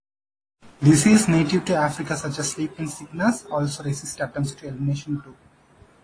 Diseases native to Africa, such as sleeping sickness, also resist attempts at elimination too.